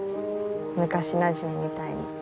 昔なじみみたいに。